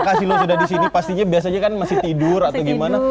terima kasih lo sudah di sini pastinya biasanya kan masih tidur atau gimana